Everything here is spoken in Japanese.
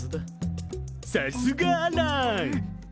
さすがアラン。